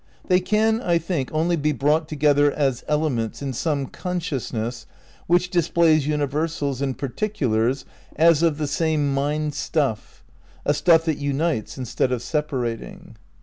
They can, I think, only be brought together as elements in some conscious ness which displays universals and particulars as of the same mind stuff. A stuff that unites instead of separating.